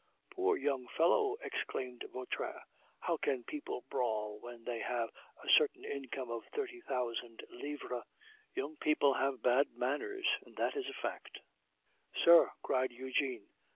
"Poor young fellow!" exclaimed Vautrin. "How can people brawl when they have a certain income of thirty thousand livres? Young people have bad manners, and that is a fact." "Sir!" cried Eugene.